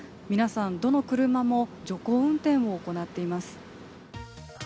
皆さん、どの車も徐行運転を行っています。